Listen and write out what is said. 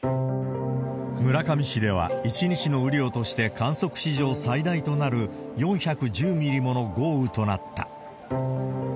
村上市では１日の雨量として観測史上最大となる、４１０ミリもの豪雨となった。